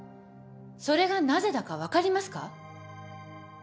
それがなぜだか分かりますか？